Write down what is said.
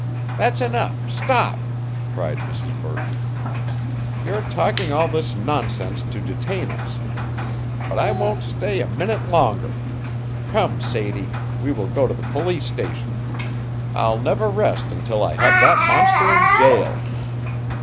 "That's enough stop!" cried Mrs. Burton. "You're talking all this nonsense to detain us. But I won't stay a minute longer. Come, Sadie, we will go to the police station. I'll never rest until I have that monster in jail."